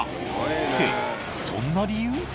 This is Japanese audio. って、そんな理由？